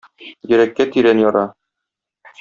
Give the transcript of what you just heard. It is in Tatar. Йөрәккә тирән яра.